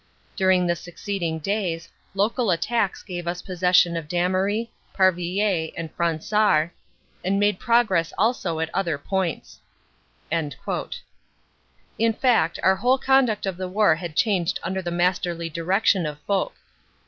During the succeeding days, local attacks gave us possession of Dam ery, Parvillers and Fransart, and made progress also at other points." In fact, our whole conduct of the war had changed under the masterly direction of Foch.